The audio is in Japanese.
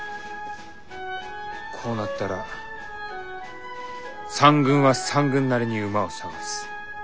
こうなったら三軍は三軍なりに馬を探す。